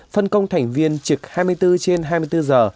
phân công thành viên trực hai mươi bốn trên hai mươi bốn giờ